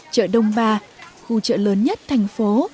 chợ đông ba khu chợ lớn nhất thành phố